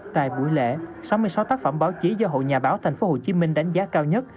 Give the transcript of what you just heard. tại buổi lễ sáu mươi sáu tác phẩm báo chí do hội nhà báo tp hcm đánh giá cao nhất